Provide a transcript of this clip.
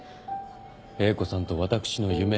英子さんと私の夢。